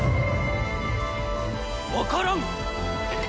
わからん！